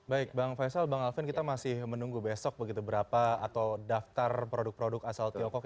baik bang faisal bang alvin kita masih menunggu besok begitu berapa atau daftar produk produk asal tiongkok